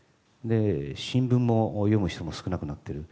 新聞も読む人も少なくなっている。